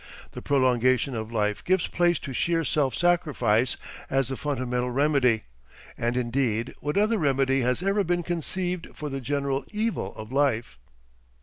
The prolongation of life gives place to sheer self sacrifice as the fundamental "remedy." And indeed what other remedy has ever been conceived for the general evil of life?